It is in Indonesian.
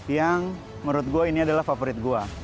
yang menurut gue ini adalah favorit gue